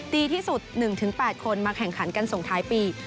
ดีที่สุด๑๘คนมาแข่งขันกันส่งท้ายปี